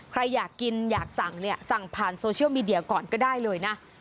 ใครอยากกินอยากสั่งเนี่ยสั่งผ่านโซเชียลมีเดียก่อนก็ได้เลยนะ